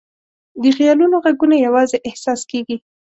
د خیالونو ږغونه یواځې احساس کېږي.